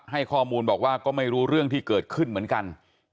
ให้ข้อมูลบอกว่าก็ไม่รู้เรื่องที่เกิดขึ้นเหมือนกัน